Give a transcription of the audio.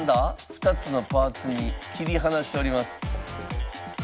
２つのパーツに切り離しております。